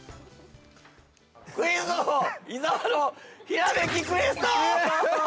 ◆クイズ王・伊沢の「ひらめきクエスト」！